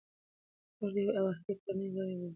موږ د یوې واحدې کورنۍ غړي یو.